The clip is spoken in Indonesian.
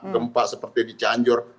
gempa seperti di canjur